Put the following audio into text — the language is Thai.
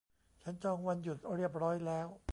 ฉันจองวันหยุดเรียบร้อยแล้ว